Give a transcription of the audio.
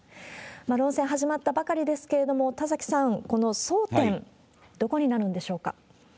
論戦始まったばかりですけれども、田崎さん、この争点、どこになるんでしょうか？